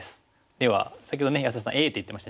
では先ほどね安田さんＡって言ってました。